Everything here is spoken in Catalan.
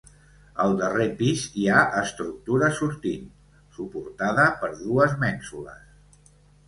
Al darrer pis, hi ha estructura sortint, suportada per dues mènsules.